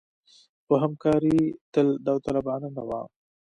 خو همکاري تل داوطلبانه نه وه.